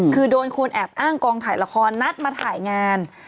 คือโดนคนแอบอ้างกองถ่ายละครนัดมาถ่ายงาน